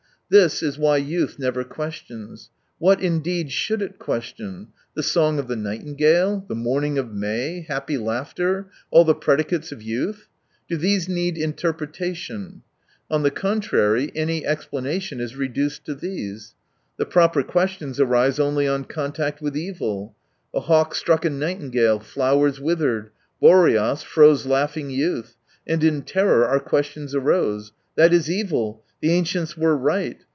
This is why youth never questions. What indeed should it question : the song of the night ingale, the morning of May, happy laughter, all the predicates of youth ? Do these need interpretation ? On the contrary, any explanation is reduced to these The proper questions arise only on contact with evil. A hawk struck a nightingale, flowers withered, Boreas froze laughing youth — and in terror our questions arose. "That is evil. The ancients were right.